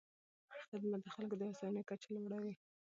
خدمت د خلکو د هوساینې کچه لوړوي.